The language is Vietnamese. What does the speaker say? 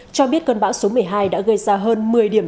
cho biết cơn bão số một mươi hai đã gây ra hơn một mươi điểm